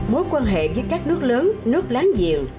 mối quan hệ với các nước lớn nước láng giềng